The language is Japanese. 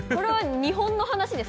日本の話です。